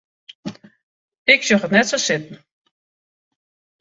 Ik sjoch it net sa sitten.